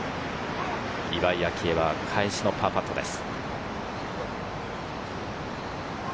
岩井明愛は返しのパーパットです。